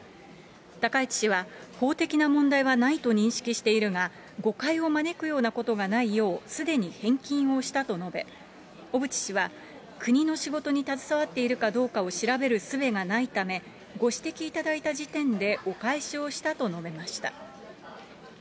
高市氏は法的な問題はないと認識しているが、誤解を招くようなことがないよう、すでに返金をしたと述べ、小渕氏は国の仕事に携わっているか調べるすべがないため、ご指摘いただいた時点でお返しをしたと述べました。